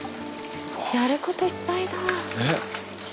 やることいっぱいだ。